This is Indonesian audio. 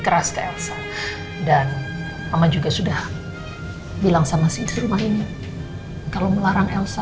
keras ke elsa dan mama juga sudah bilang sama si di rumah ini kalau melarang elsa